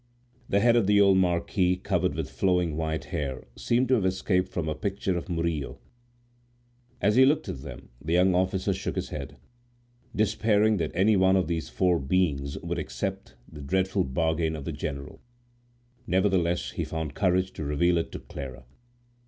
The head of the old marquis, covered with flowing white hair, seemed to have escaped from a picture of Murillo. As he looked at them, the young officer shook his head, despairing that any one of those four beings would accept the dreadful bargain of the general. Nevertheless, he found courage to reveal it to Clara.